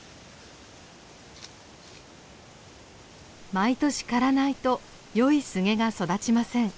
毎年刈らないとよいスゲが育ちません。